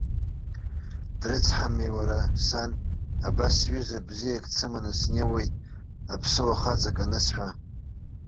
Дрыцҳами, уара, сан, абас сҩыза бзиак дсыманы снеиуеит, аԥсыуа хаҵак анысҳәа.